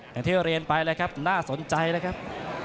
ทางเที่ยวเรียนไปเลยครับน่าสนใจเลยครับ